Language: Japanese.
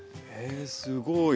えすごい。